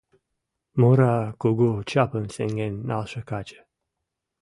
Мура кугу чапым сеҥен налше каче